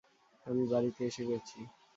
আমি বাড়িতে এসে গেছি।